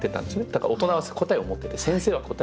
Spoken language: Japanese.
だから大人は答えを持ってて先生は答えを持ってて。